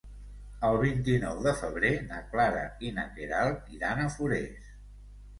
El vint-i-nou de febrer na Clara i na Queralt iran a Forès.